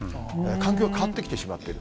環境が変わってきてしまっている。